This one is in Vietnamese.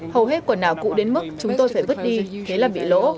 hầu hết quần áo cũ đến mức chúng tôi phải vứt đi thế là bị lỗ